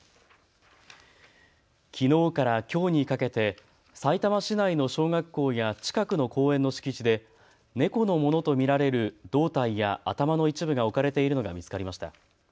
きのうからきょうにかけてさいたま市内の小学校や近くの公園の敷地で猫のものと見られる胴体や頭の一部が置かれているのが見つかりました。